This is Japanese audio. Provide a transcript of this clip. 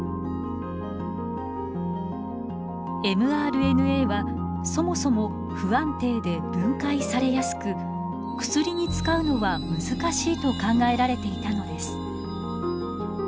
ｍＲＮＡはそもそも不安定で分解されやすく薬に使うのは難しいと考えられていたのです。